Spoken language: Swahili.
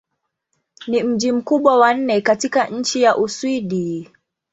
Ni mji mkubwa wa nne katika nchi wa Uswidi.